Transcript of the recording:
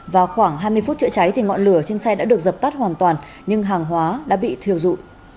vào khoảng hai mươi phút chữa cháy thì ngọn lửa trên xe đã được dập tắt hoàn toàn nhưng hàng hóa đã bị thiêu dụ